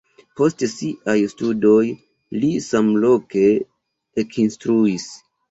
Post siaj studoj li samloke ekinstruis.